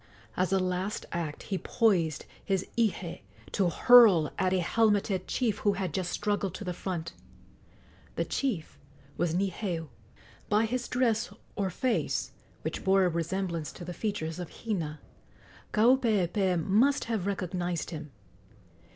As a last act he poised his ihe to hurl at a helmeted chief who had just struggled to the front. The chief was Niheu. By his dress or face, which bore a resemblance to the features of Hina, Kaupeepee must have recognized him.